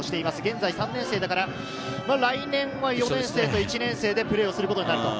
現在３年生だから来年は４年生と１年生でプレーをすることになる。